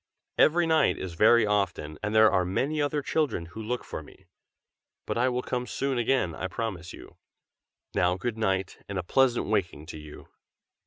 "Every night is very often, and there are many other children who look for me. But I will come soon again, I promise you. Now good night, and a pleasant waking to you!"